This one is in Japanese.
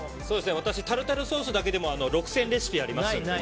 私、タルタルソースだけでも６０００レシピありますので。